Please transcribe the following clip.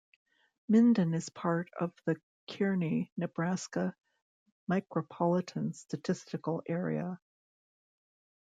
Minden is part of the Kearney, Nebraska Micropolitan Statistical Area.